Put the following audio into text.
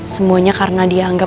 semuanya karena dia anggap